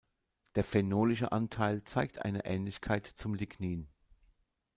Der phenolische Anteil zeigt eine Ähnlichkeit zum Lignin.